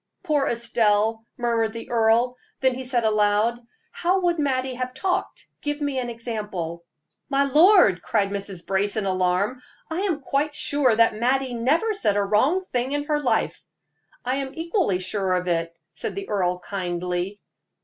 "Poor Estelle!" murmured the earl; then he said aloud: "How would Mattie have talked? Give me an example." "My lord!" cried Mrs. Brace, in alarm, "I am quite sure that Mattie never said a wrong thing in her life." "I am equally sure of it," said the earl, kindly.